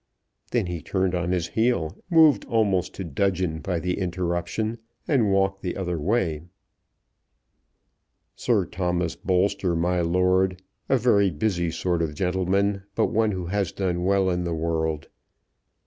Then he turned on his heel, moved almost to dudgeon by the interruption, and walked the other way. "Sir Thomas Bolster, my lord; a very busy sort of gentleman, but one who has done well in the world.